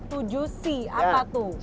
tujuh c apa tuh